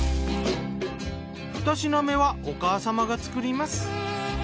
２品目はお母様が作ります。